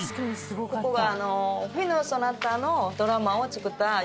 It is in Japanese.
ここが。